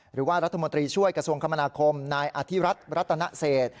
หรือว่ารัฐมนตรีช่วยกระทรวงคมนาคมนายอธิรัฐรัตนเศษ